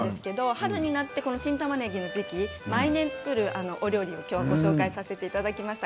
春になってこの新たまねぎの時期に毎年作るお料理を今日はご紹介させていただきました。